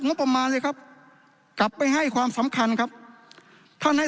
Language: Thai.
งบประมาณเลยครับกลับไปให้ความสำคัญครับท่านให้